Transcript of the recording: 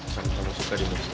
sama sama suka dimaksud